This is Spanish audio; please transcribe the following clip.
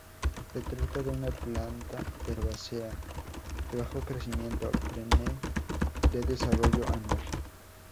Se trata de una planta herbácea de bajo crecimiento, perenne de desarrollo anual.